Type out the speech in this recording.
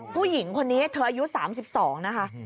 ผู้หญิงคนนี้เธออายุ๓๒นะคะ